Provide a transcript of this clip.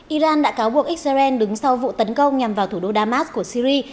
iran đã cáo buộc israel đứng sau vụ tấn công nhằm vào thủ đô damas của syri